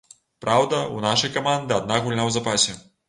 Праўда, у нашай каманды адна гульня ў запасе.